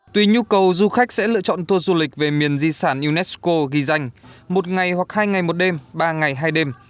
tuy nhu cầu du khách sẽ lựa chọn tour du lịch về miền di sản unesco ghi danh một ngày hoặc hai ngày một đêm ba ngày hai đêm